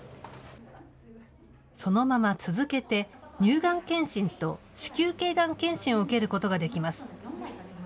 そのまま続けて、乳がん検診と子宮けいがん検診を受けることができます。